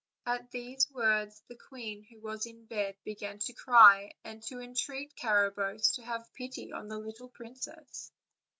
At these words the queen, who was in bed, began to cry and to entreat Carabosse to have pity on the little princess.